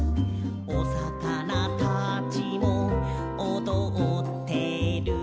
「お魚たちもおどってる」